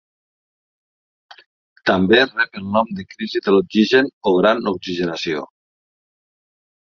També rep el nom de crisi de l'oxigen o gran oxigenació.